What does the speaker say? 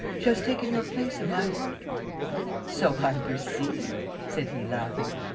She has taken your place in my heart." "So I perceive," said he, laughing.